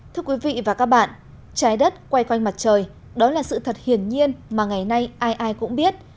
thưa quý vị và các bạn trái đất quay quanh mặt trời đó là sự thật hiển nhiên mà ngày nay ai ai cũng biết